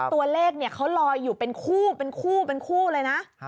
ตัวเลขเนี่ยเขาลอยอยู่เป็นคู่เลยนะ